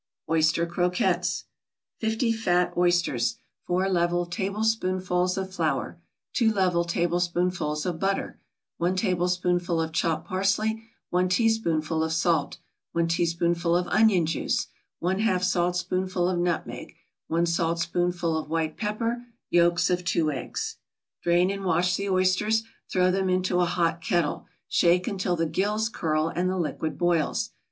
OYSTER CROQUETTES 50 fat oysters 4 level tablespoonfuls of flour 2 level tablespoonfuls of butter 1 tablespoonful of chopped parsley 1 teaspoonful of salt 1 teaspoonful of onion juice 1/2 saltspoonful of nutmeg 1 saltspoonful of white pepper Yolks of two eggs Drain and wash the oysters, throw them into a hot kettle, shake until the gills curl and the liquid boils.